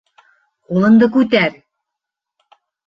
Ҡулыңды күтәр!